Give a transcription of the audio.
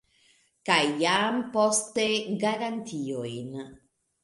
Kaj jam poste garantiojn.